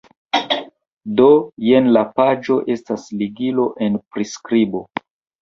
Do, jen la paĝo estas ligilo en la priskribo